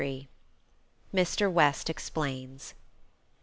MR. WEST EXPLAINS.